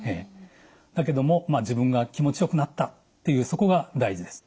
だけども自分が気持ちよくなったっていうそこが大事です。